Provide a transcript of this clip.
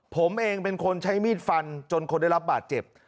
ผมเองเป็นคนใช้มีดฟันจนคนได้รับบาดเจ็บ